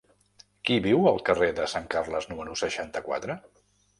Qui viu al carrer de Sant Carles número seixanta-quatre?